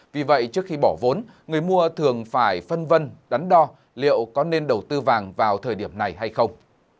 vì vậy trước khi bỏ vốn người mua thường phải phân vân đắn đo liệu có nên đầu tư vàng vào thời điểm này hay không